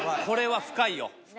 これは深いよ